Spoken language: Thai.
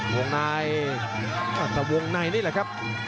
วงในอัตวงในนี่แหละครับ